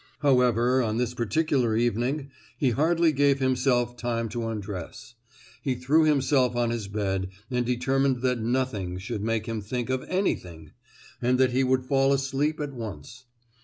However, on this particular evening he hardly gave himself time to undress; he threw himself on his bed, and determined that nothing should make him think of anything, and that he would fall asleep at once.